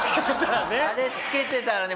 あれつけてたらね。